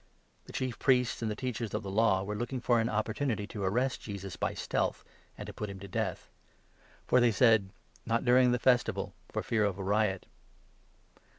The jesus. Chief Priests and the Teachers of the Law were looking for an opportunity to arrest Jesus by stealth, and to put him to death ; for they said :'' Not during the Festival, 2 for fear of a riot."